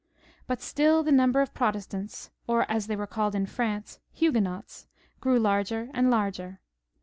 But still the number of Protestants, or, as they were called S 258 HENRY II, [ch. in France, Huguenots, grew larger and larger.